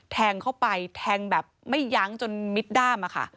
แทงเข้าไปแทงแบบไม่ยั้งจนมิดด้ามอะค่ะ